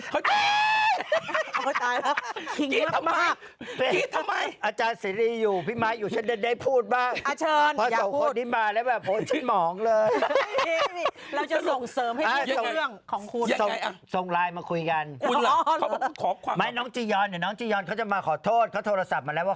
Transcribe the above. เขาจะเขาจะตายแล้วคิดทำไมคิดทำไม